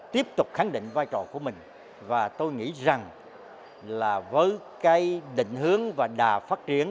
tiếp tục khẳng định vai trò của mình và tôi nghĩ rằng là với cái định hướng và đà phát triển